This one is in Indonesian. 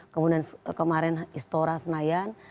kemudian kemarin istora senayan